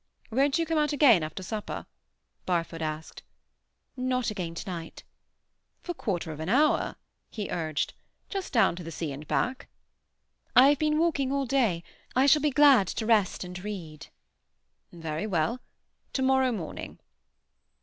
"Won't you come out again after supper?" Barfoot asked. "Not again to night." "For a quarter of an hour," he urged. "Just down to the sea and back." "I have been walking all day. I shall be glad to rest and read." "Very well. To morrow morning."